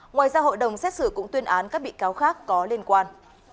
ngoài ra hội đồng xét xử cũng tuyên án các bị cáo khác có liên quan